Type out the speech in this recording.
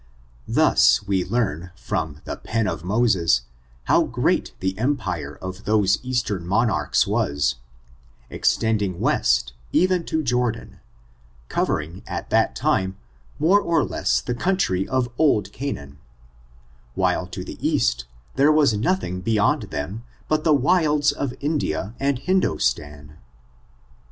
Thus we learn, from the pen of Moses, how great the empire of those east em monarchs was, extending west^ even to Jordan, covering, at that time, more or less of the country of FORTUNES, OP THE NEGRO RACE. 221 oid Canaan, while to the east there was nothing be yond them but the wilds of India and Hindostan.